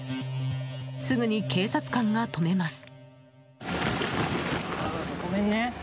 すぐに警察官が止めます。